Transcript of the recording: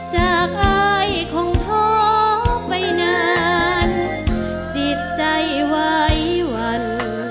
อายคงท้อไปนานจิตใจไว้วัน